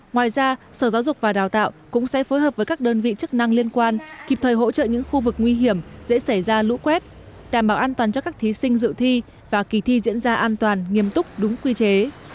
ngoài ra sở giáo dục và đào tạo cũng sẽ phối hợp với các đơn vị chức năng liên quan kịp thời hỗ trợ những khu vực nguy hiểm dễ xảy ra lũ quét đảm bảo an toàn cho các thí sinh dự thi và kỳ thi diễn ra an toàn nghiêm túc đúng quy chế